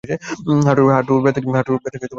হাঁটুর ব্যাথা কী আবার বেড়ে গেছে?